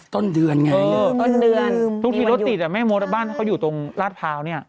ต้นเดือนไงเออต้นเดือนทุกทีรถติดอ่ะแม่มดบ้านถ้าเขาอยู่ตรงลาดพร้าวเนี่ย